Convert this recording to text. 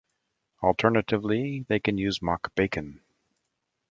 Alternatively they can use mock bacon.